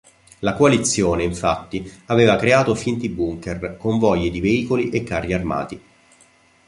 La Coalizione infatti aveva creato finti bunker, convogli di veicoli e carri armati.